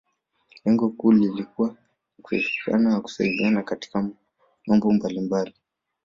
Lengo kuu ilikuwa ni kushirikiana na kusaidiana katika mambo mbalimbali